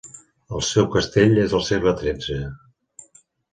El seu castell es del segle XIII.